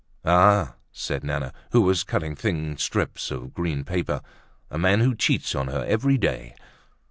"Ah!" said Nana, who was cutting thin strips of green paper. "A man who cheats on her every day!"